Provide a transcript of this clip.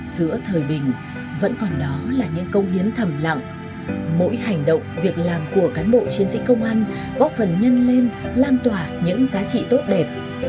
giữa thời bình vẫn còn đó là những công hiến thầm lặng mỗi hành động việc làm của cán bộ chiến sĩ công an góp phần nhân lên lan tỏa những giá trị tốt đẹp